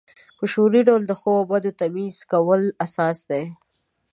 په شعوري ډول د ښو او بدو تمیز کول اساس دی.